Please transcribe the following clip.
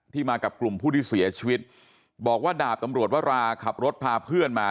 มากับกลุ่มผู้ที่เสียชีวิตบอกว่าดาบตำรวจวราขับรถพาเพื่อนมา